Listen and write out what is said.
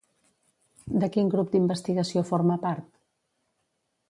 De quin grup d'investigació forma part?